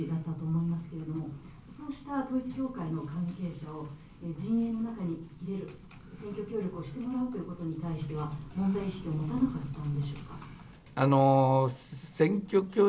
そうした統一教会の関係者を陣営の中に入れる、選挙協力をしてもらうということに対しては、問題意識は持たなかったんでしょうか。